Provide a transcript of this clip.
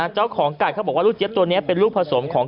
เจ้าของไก่เขาบอกว่าลูกเจี๊ยตัวนี้เป็นลูกผสมของ